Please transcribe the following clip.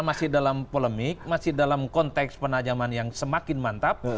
masih dalam polemik masih dalam konteks penajaman yang semakin mantap